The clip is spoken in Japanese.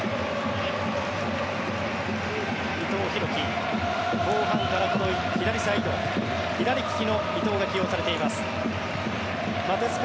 伊藤洋輝後半から左サイド左利きの伊藤が起用されています。